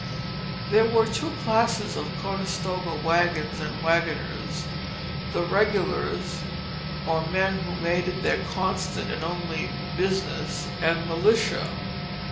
There were two classes of Conestoga wagons and wagoners. The "Regulars," or men who made it their constant and only business; and "Militia."